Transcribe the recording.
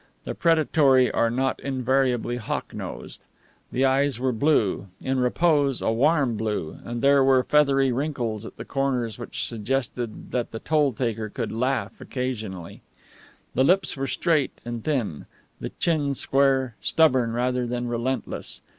The predatory are not invariably hawk nosed. The eyes were blue in repose, a warm blue and there were feathery wrinkles at the corners which suggested that the toll taker could laugh occasionally. The lips were straight and thin, the chin square stubborn rather than relentless.